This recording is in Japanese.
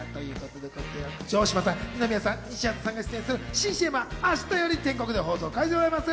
城島さん、二宮さん、西畑さんが出演する新ＣＭは明日より全国で放送開始でございます。